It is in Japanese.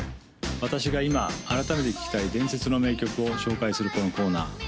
私が今改めて聴きたい伝説の名曲を紹介するこのコーナー